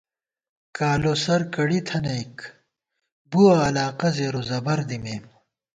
کالوسر کڑی تھنَئیک، بُوَہ علاقہ زیروزبَر دِیمېم